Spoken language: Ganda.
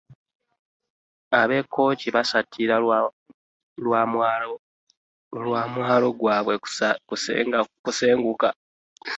Ab'e Kkooki basattira lwa mwalo gwabwe kusenguka